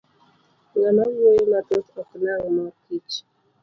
Ng'ama wuoyo mathoth ok nang' mor kich.